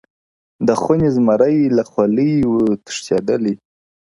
• د خوني زمري له خولې وو تښتېدلی -